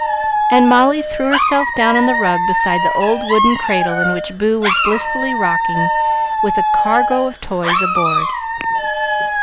and Molly threw herself down on the rug beside the old wooden cradle in which Boo was blissfully rocking, with a cargo of toys aboard.